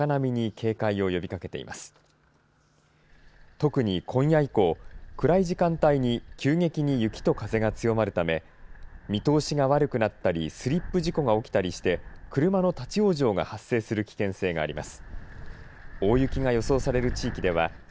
特に今夜以降、暗い時間帯に、急激に雪と風が強まるため、見通しが悪くなったりスリップ事故が起きたりして、車の立往生が発生する危険性があります。